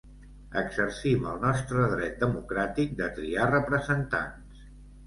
Exercim el nostre dret democràtic de triar representants.